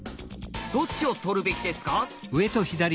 どっちを取るべきですか？